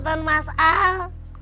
buat nangkep siaran digital